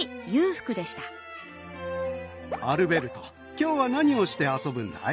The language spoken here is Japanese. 今日は何をして遊ぶんだい？